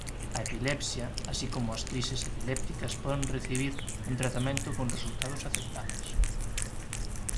A epilepsia así como as crises epilépticas poden recibir un tratamento con resultados aceptables.